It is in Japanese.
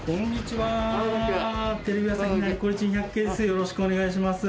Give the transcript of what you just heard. よろしくお願いします。